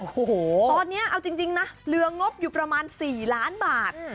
โอ้โหตอนนี้เอาจริงนะเหลืองบอยู่ประมาณ๔ล้านบาท